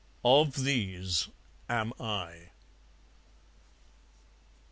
Of these am I.